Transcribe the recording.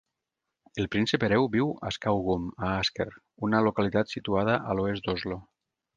El príncep hereu viu a Skaugum, a Asker, una localitat situada a l'oest d'Oslo.